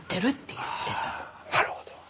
ああなるほど。